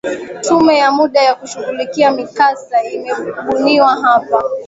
tume ya muda ya kushugulikia mikasa imebuniwa hapa